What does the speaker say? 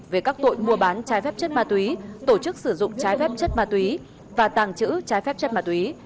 về các tội mua bán trái phép chất ma túy tổ chức sử dụng trái phép chất ma túy và tàng trữ trái phép chất ma túy